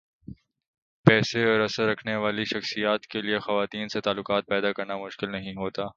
پیسے اور اثر رکھنے والی شخصیات کیلئے خواتین سے تعلقات پیدا کرنا مشکل نہیں ہوتا۔